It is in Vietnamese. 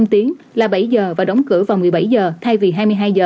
một năm tiếng là bảy h và đóng cửa vào một mươi bảy h thay vì hai mươi hai h